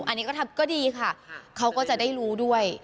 อันนี้ก็ทำก็ดีค่ะเขาก็จะได้รู้ด้วย